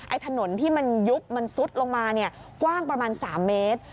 ถนนที่มันยุบมันซุดลงมาเนี่ยกว้างประมาณ๓เมตร